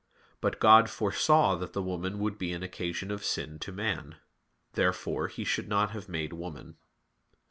But God foresaw that the woman would be an occasion of sin to man. Therefore He should not have made woman.